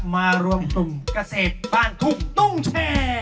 มารวมกลุ่มเกษตรบ้านทุ่งตุ้งแชร์